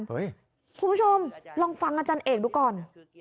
คุณผู้ชมลองฟังอาจารย์เอกดูก่อน